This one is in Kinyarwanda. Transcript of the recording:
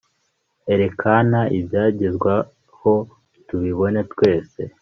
erekana ibyagezweho; tubibone twese